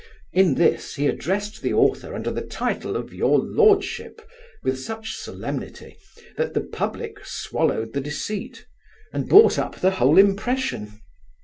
In this, he addressed the author under the title of your lordship with such solemnity, that the public swallowed the deceit, and bought up the whole impression.